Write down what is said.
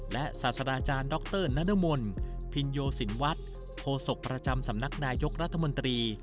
และศาสตราจารย์ดรนมลพินโยสินวัฒน์โฆษกประจำสำนักนายกรัฐมนตรี